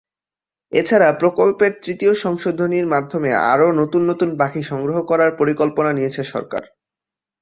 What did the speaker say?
এছাড়া প্রকল্পের তৃতীয় সংশোধনীর মাধ্যমে আরও নতুন নতুন পাখি সংগ্রহ করার পরিকল্পনা নিয়েছে সরকার।